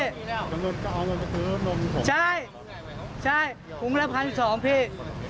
อาหารกระทื้อนมใช่ใช่ผมรับพันธุ์สองพี่